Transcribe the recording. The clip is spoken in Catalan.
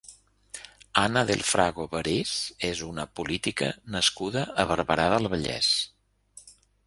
Ana del Frago Barés és una política nascuda a Barberà del Vallès.